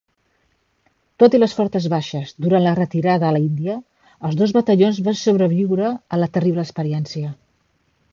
Tot i les fortes baixes durant la retirada a l'Índia, els dos batallons van sobreviure a la terrible experiència.